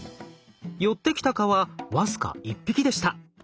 寄ってきた蚊は僅か１匹でした。